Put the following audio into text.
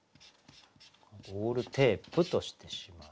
「ゴールテープ」としてしまう。